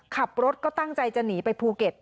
ขับรถก็ตั้งใจจะหนีไปภูเก็ต